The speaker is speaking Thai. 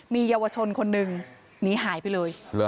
มีเยาวชนคนหนึ่งหนีหายไปเลย